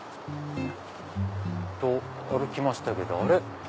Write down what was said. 歩きましたけど。